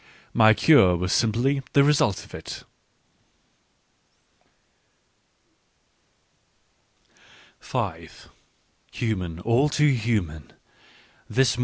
My cure was simply the result of it. * Human^ all too Human, Part II.